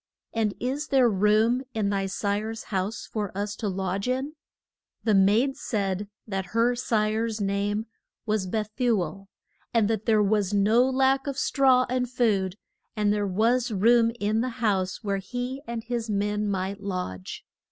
And is there room in thy sire's house for us to lodge in? The maid said that her sire's name was Beth u el, and that there was no lack of straw and food, and there was room in the house where he and his men might lodge.